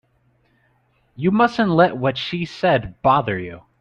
You mustn't let what she said bother you.